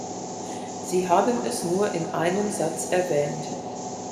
Sie haben es nur in einem Satz erwähnt.